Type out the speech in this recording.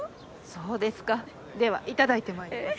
そうですかではいただいてまいります。